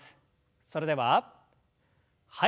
それでははい。